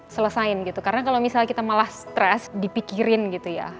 selesaiin gitu karena kalau misalnya kita malah stres dipikirin gitu ya